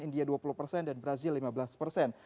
india dua puluh persen dan brazil lima belas persen